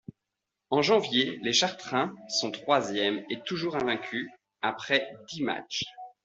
En janvier, les Chartrains sont troisièmes et toujours invaincus après dix matches.